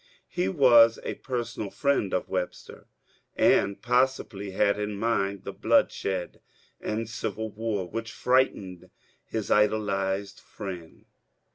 He was a personal friend of Web ster, and possibly had in mind the ^^ bloodshed and civil war," which frightened his idolized friend.